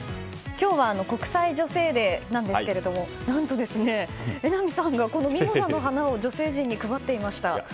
今日は国際女性デーなんですけども何と榎並さんがミモザの花を女性陣に配っていました。